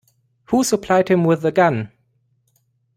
Who supplied him with the gun?